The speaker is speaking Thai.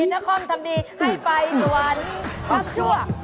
นครทำดีให้ไปสวรรค์พักชั่ว